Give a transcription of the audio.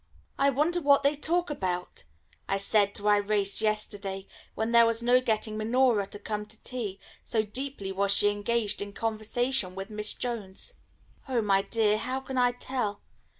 "I wonder what they talk about?" I said to Irais yesterday, when there was no getting Minora to come to tea, so deeply was she engaged in conversation with Miss Jones. "Oh, my dear, how can I tell?